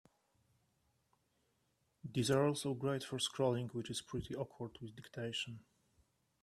These are also great for scrolling, which is pretty awkward with dictation.